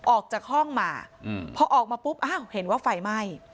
ออกจากห้องมาพอออกมาปุ๊บอ้าวเห็นว่าไฟไหม้